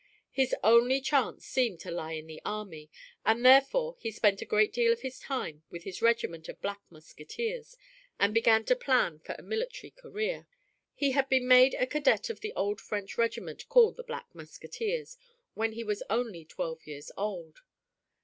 His only chance seemed to lie in the army, and therefore he spent a great deal of his time with his regiment of Black Musketeers, and began to plan for a military career. He had been made a cadet of the old French regiment called the Black Musketeers when he was only twelve years old.